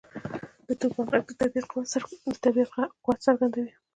• د توپان ږغ د طبیعت قوت څرګندوي.